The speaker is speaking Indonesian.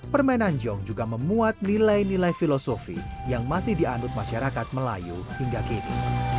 permainan jong juga memuat nilai nilai filosofi yang masih dianut masyarakat melayu hingga kini